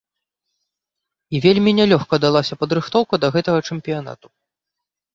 І вельмі нялёгка далася падрыхтоўка да гэтага чэмпіянату.